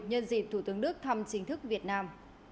nhân dịp thủ tướng đức thăm chính thức việt nam